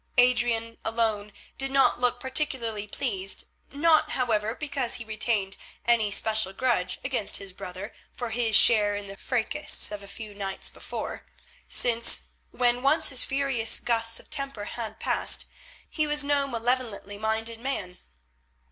Adrian alone did not look particularly pleased, not, however, because he retained any special grudge against his brother for his share in the fracas of a few nights before, since, when once his furious gusts of temper had passed, he was no malevolently minded man.